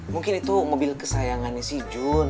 mungkin itu mobil kesayangannya si jun